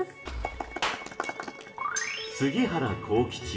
杉原厚吉。